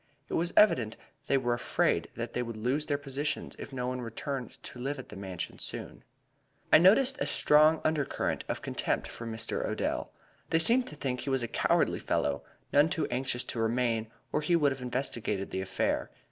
It was evident they were afraid that they would lose their positions if no one returned to live at the Mansion soon. "I noticed a strong under current of contempt for Mr. Odell; they seemed to think he was a cowardly fellow, none too anxious to remain, or he would have investigated the affair.